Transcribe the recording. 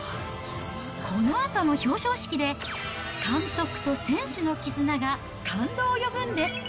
このあとの表彰式で、監督と選手の絆が感動を呼ぶんです。